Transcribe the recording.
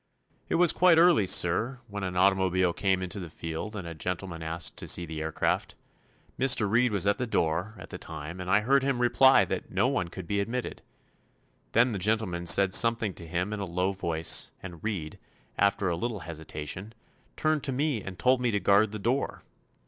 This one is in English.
"It was quite early, sir, when an automobile came into the field and a gentleman asked to see the aircraft. Mr. Reed was at the door, at the time, and I heard him reply that no one could be admitted. Then the gentleman said something to him in a low voice and Reed, after a little hesitation, turned to me and told me to guard the door.